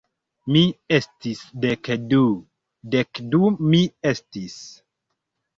Mi estis dek du... dek du mi estis